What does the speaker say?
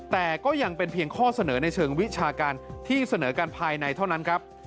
แต่ก็ยังเป็นเพียงข้อเสนอในเชิงวิชาการที่เสนอกันภายในเท่านั้นครับ